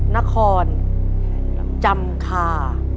นครจำคา